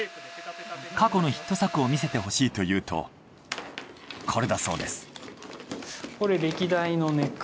過去のヒット作を見せてほしいと言うとこれだそうです。